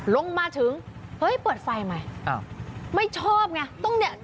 ลงมาถึงเฮ้ยเปิดไฟใหม่อ้าวไม่ชอบไงต้องเนี่ย